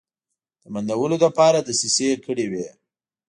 د بندولو لپاره دسیسې کړې وې.